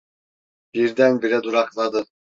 Birdenbire durakladı.